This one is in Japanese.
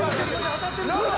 当たってる！